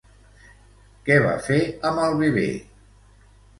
Què va fer amb el bebè?